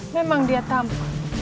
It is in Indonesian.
memang dia tamu